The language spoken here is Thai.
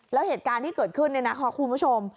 แล้วเหตุการณ์ที่เกิดขึ้นเนี่ยนะคะคุณผู้ชม